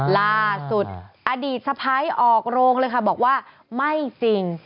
ล่าสุดอดีตสะพ้ายออกโรงเลยค่ะบอกว่าไม่จริง